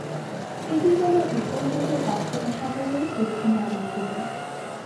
এটি ইরানের উত্তর-পূর্বে কাস্পিয়ান সাগরের দক্ষিণে অবস্থিত।